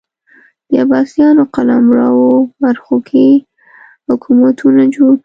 د عباسیانو قلمرو برخو کې حکومتونه جوړ کړي